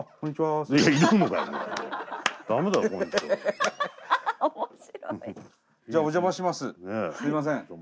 すいません。